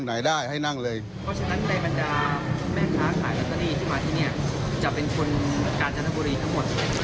ค้าขายลอตเตอรี่ที่มาที่นี่จะเป็นคนกาญจนบุรีทั้งหมด